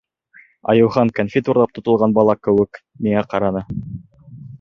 Айыухан кәнфит урлап тотолған бала кеүек миңә ҡараны.